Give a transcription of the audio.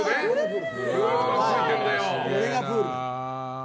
これはプール。